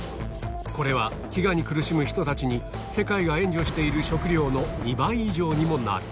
これは飢餓に苦しむ人たちに、世界が援助している食料の２倍以上にもなる。